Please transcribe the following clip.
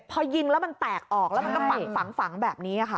พอยิงแล้วมันแตกออกแล้วมันก็ฝังแบบนี้ค่ะ